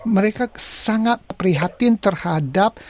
mereka sangat prihatin terhadap